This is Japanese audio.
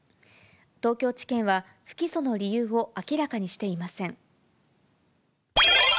東京地検は不起訴の理由を明らかにしていません。